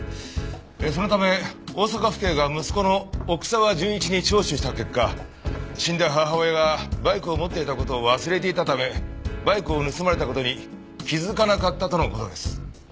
そのため大阪府警が息子の奥沢純一に聴取した結果死んだ母親がバイクを持っていた事を忘れていたためバイクを盗まれた事に気づかなかったとの事です。